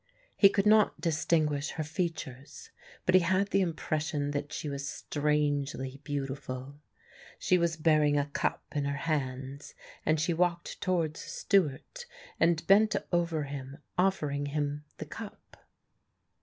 He could not distinguish her features, but he had the impression that she was strangely beautiful; she was bearing a cup in her hands, and she walked towards Stewart and bent over him, offering him the cup.